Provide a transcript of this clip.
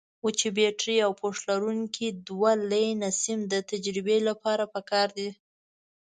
وچې بټرۍ او پوښ لرونکي دوه لینه سیم د تجربې لپاره پکار دي.